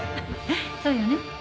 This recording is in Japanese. そうよね？